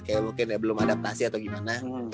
kayak mungkin belum adaptasi atau gimana